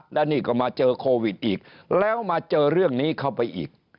และนี่ก็มาเจอโควิดอีกแล้วมาเจอเรื่องนี้เข้าไปอีก